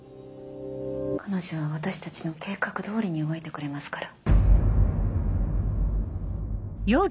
彼女は私たちの計画通りに動いてくれますから。